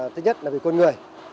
thứ nhất là vì con người